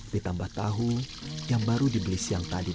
ditambah tahu yang baru dibeli siang di gerosir